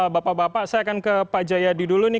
bapak bapak saya akan ke pak jayadi dulu nih